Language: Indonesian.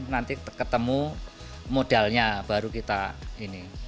nanti ketemu modalnya baru kita ini